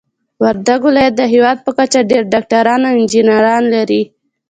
وردګ ولايت د هيواد په کچه ډير ډاکټران او انجنيران لري.